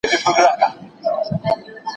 نن به د ایپي د مور چل هېره مرمۍ څه وايي